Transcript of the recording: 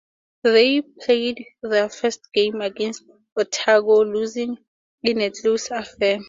They played their first game against Otago, losing in a close affair.